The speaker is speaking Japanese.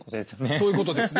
そういうことですね